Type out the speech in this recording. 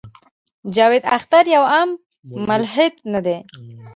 جاوېد اختر يو عام ملحد نۀ دے